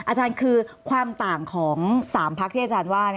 อาจารย์คือความต่างของ๓พักที่อาจารย์ว่า